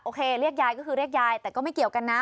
เรียกยายก็คือเรียกยายแต่ก็ไม่เกี่ยวกันนะ